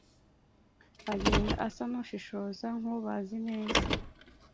agenda asa n'ushishoza nk'ubazi neza,